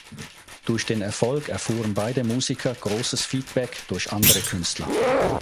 Durch den Erfolg erfuhren beide Musiker großes Feedback durch andere Künstler.